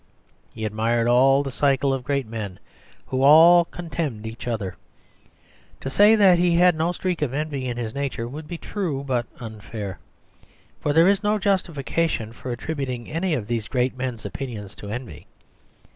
He admired all the cycle of great men who all contemned each other. To say that he had no streak of envy in his nature would be true, but unfair; for there is no justification for attributing any of these great men's opinions to envy.